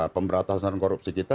pemberantasan korupsi kita